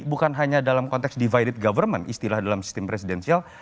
bukan hanya dalam konteks divided government istilah dalam sistem presidensial